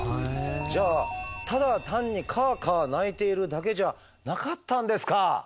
じゃあただ単にカァカァ鳴いているだけじゃなかったんですカァ！